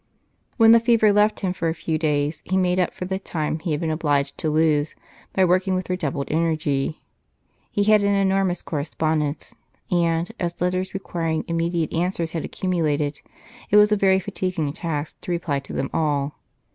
When the fever left him for a few days, he made up for the time he had been obliged to lose, by working with redoubled energy. He had an enormous correspondence, and, as letters requiring immediate answers had accumulated, it was a very fatiguing task to reply to them all.